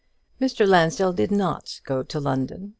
Mr. Lansdell did not go to London.